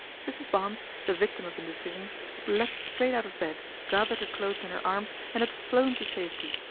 Mrs. Barnes, the victim of indecision, had leapt straight out of bed, gathered her clothes in her arms and had flown to safety.